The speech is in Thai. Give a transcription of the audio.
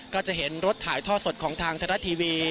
ก็จะเห็นรถถ่ายท่อสดของทางไทยรัฐทีวี